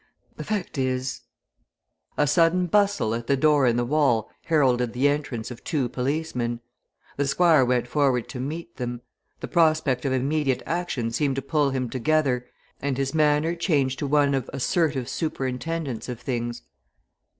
The fact is " A sudden bustle at the door in the wall heralded the entrance of two policemen. The Squire went forward to meet them. The prospect of immediate action seemed to pull him together and his manner changed to one of assertive superintendence of things.